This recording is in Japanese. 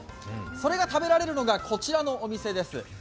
それが食べられるのがこちらのお店です。